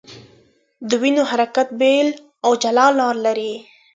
د وینو حرکت بېل او جلا لار لري.